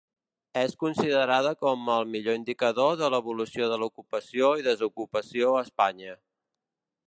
És considerada com el millor indicador de l'evolució de l'ocupació i desocupació a Espanya.